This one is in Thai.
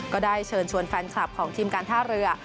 ก็ได้เชิญชวนแฟนคลับของทีมการท่าเรือ